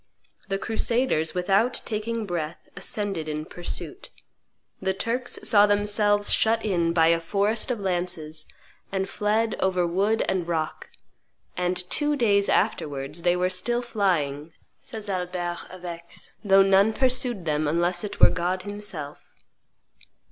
The crusaders, without taking breath, ascended in pursuit. The Turks saw themselves shut in by a forest of lances, and fled over wood and rock; and "two days afterwards they were still flying," says Albert of Aix, "though none pursued them, unless it were God himself."